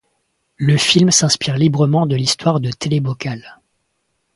Le film s'inspire librement de l'histoire de Télé Bocal.